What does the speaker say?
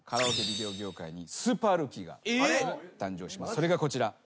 それがこちら。